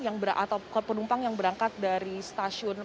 atau penumpang yang berangkat dari stasiun